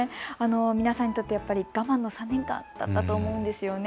皆さんにとって我慢の３年間だったと思うんですよね。